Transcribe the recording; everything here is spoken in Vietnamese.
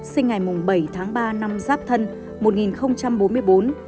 sinh ngày bảy tháng ba năm giáp thân